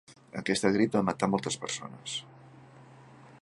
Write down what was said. Aquesta grip va matar moltes persones.